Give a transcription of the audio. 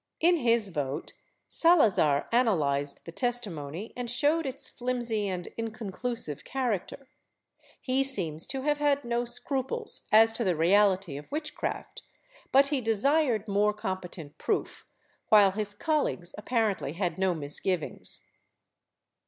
In his vote, Salazar analyzed the testimony and showed its flimsy and inconclusive character; he seems to have had no scruples as to the reality of witchcraft, but he desired more competent proof, while his colleagues apparently had no misgivings.